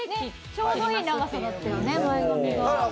ちょうどいい長さだったよね、前髪が。